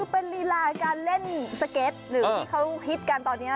คือเป็นลีลาการเล่นสเก็ตหรือที่เขาฮิตกันตอนนี้